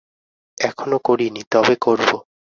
এখনো করি নি, তবে করব।